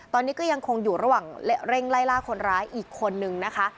ตอนนี้ก็ยังคงอยู่ระหว่างเร่งไล่ล่าคนร้ายอีกคนนึงนะคะ